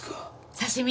刺身？